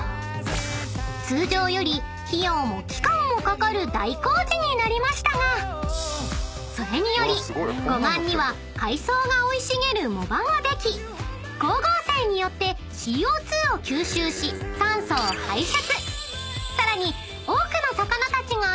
［通常より費用も期間もかかる大工事になりましたがそれにより護岸には海藻が生い茂る藻場ができ光合成によってＣＯ２を吸収し酸素を排出］